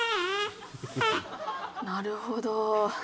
なるほど。